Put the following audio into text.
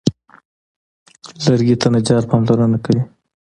لرګي ته نجار پاملرنه کوي.